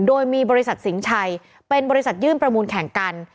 โดยมีบริษัทสิงห์ชัยเป็นบริษัทยื่นประมูลแข่งกัน